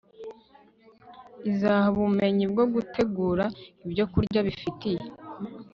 izaha ubumenyi bwo gutegura ibyokurya bifitiye